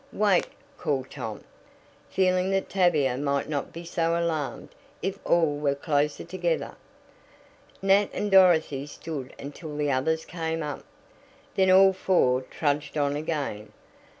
"Wait!" called Tom, feeling that Tavia might not be so alarmed if all were closer together. Nat and Dorothy stood until the others came up. Then all four trudged on again.